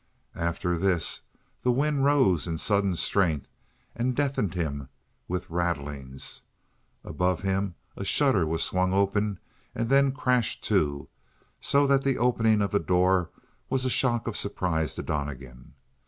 After this, the wind rose in sudden strength and deafened him with rattlings; above him, a shutter was swung open and then crashed to, so that the opening of the door was a shock of surprise to Donnegan.